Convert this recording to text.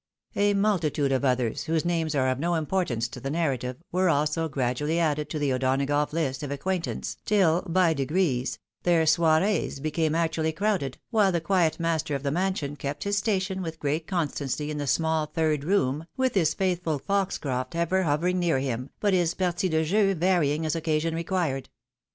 A multitude of others, whose names are of no importance to the narrative, were also gradually added to the O'Donagough hst of acquaint ance, tni, by degrees, their soirees became actually crowded, while the qmet master of the mansion kept his station with great constancy in the small third room, with his faithful Fox crofb ever hovering near him, but his partie de jeu varying as occasion required.